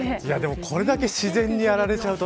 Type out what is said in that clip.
これだけ自然にやられちゃうと。